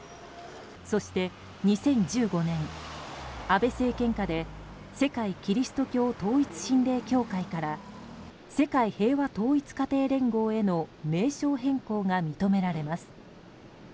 そして２０１５年、安倍政権下で世界基督教統一神霊協会から世界平和統一家庭連合への名称変更が認められます。